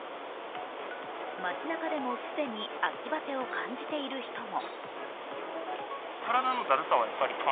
街なかでも既に秋バテを感じている人も。